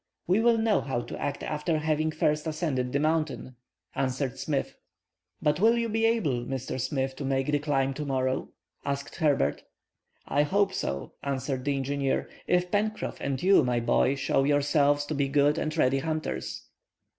"We will know how to act after having first ascended the mountain," answered Smith. "But will you be able, Mr. Smith, to make the climb tomorrow?" asked Herbert. "I hope so," answered the engineer, "if Pencroff and you, my boy, show yourselves to be good and ready hunters."